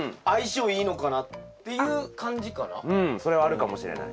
うんそれはあるかもしれない。